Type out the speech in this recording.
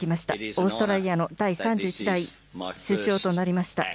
オーストラリアの第３１代首相となりました。